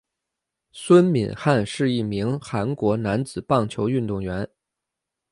孙敏汉是一名韩国男子棒球运动员。